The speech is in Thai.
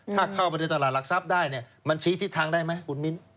ถ้าเข้าไปในตลาดหลักทรัพย์ได้เนี่ยมันชี้ทิศทางได้ไหมคุณมิ้น